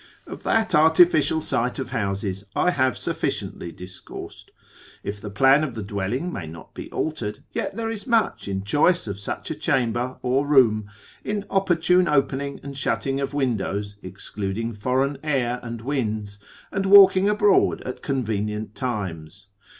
Of that artificial site of houses I have sufficiently discoursed: if the plan of the dwelling may not be altered, yet there is much in choice of such a chamber or room, in opportune opening and shutting of windows, excluding foreign air and winds, and walking abroad at convenient times.